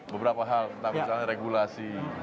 beberapa hal misalnya regulasi